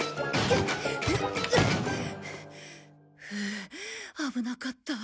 フウ危なかった。